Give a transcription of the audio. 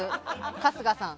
春日さん。